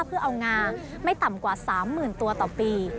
เพื่อเอางาไม่ต่ำกว่า๓๐๐๐ตัวต่อปี